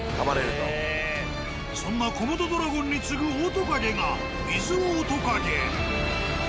そんなコモドドラゴンに次ぐオオトカゲがミズオオトカゲ。